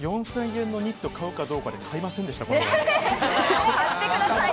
４０００円のニット、買うかどうかで買いませんでした。